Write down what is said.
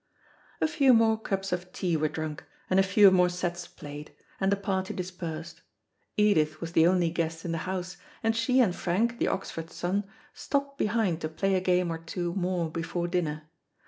A few more cups of tea were drunk, and a few more sets played, and the party dispersed. Edith was the only guest in the house, and she and Frank, the Oxford son, stopped behind to play a game or two more before dinner.